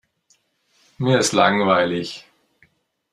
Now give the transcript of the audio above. Mir ist langweilig.